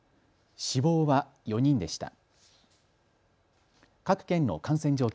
死亡は４人でした。